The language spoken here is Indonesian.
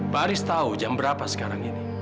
pak haris tahu jam berapa sekarang ini